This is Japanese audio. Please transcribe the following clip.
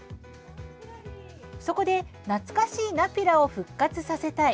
そこで懐かしいナピラを復活させたい。